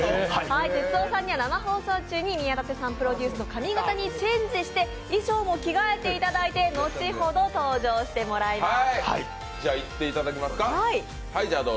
哲夫さんには生放送中に宮舘さんプロデュースの髪形にチェンジして衣装も着替えていただいて後ほど登場してもらいます。